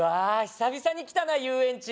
久々に来たな遊園地